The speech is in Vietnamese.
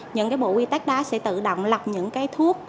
những cái bộ quy tắc đó sẽ tự động lọc những cái thuốc